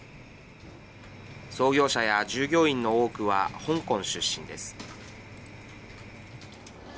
創業者や従業員の多くは香港出身です。